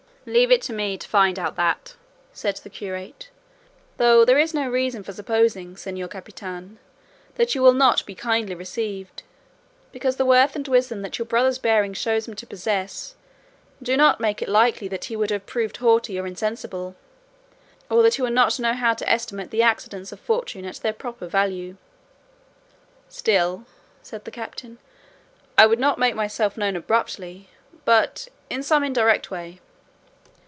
"Leave it to me to find out that," said the curate; "though there is no reason for supposing, señor captain, that you will not be kindly received, because the worth and wisdom that your brother's bearing shows him to possess do not make it likely that he will prove haughty or insensible, or that he will not know how to estimate the accidents of fortune at their proper value." "Still," said the captain, "I would not make myself known abruptly, but in some indirect way."